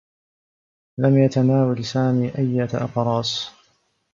لم يتناول سامي أيّة أقراص.